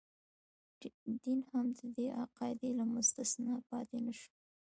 دین هم د دې قاعدې له مستثنا پاتې نه شو.